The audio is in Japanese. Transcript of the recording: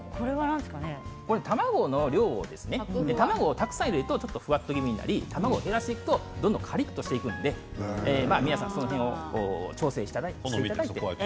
卵の量卵をたくさん入れるとちょっとふわっと気味になり卵を減らすとどんどんカリっとしていくので皆さん、その辺も調整していただいて。